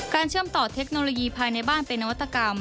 เชื่อมต่อเทคโนโลยีภายในบ้านเป็นนวัตกรรม